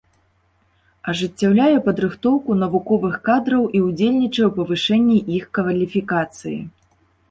Ажыццяўляе падрыхтоўку навуковых кадраў і ўдзельнічае ў павышэнні іх кваліфікацыі.